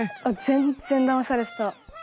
全然だまされてた。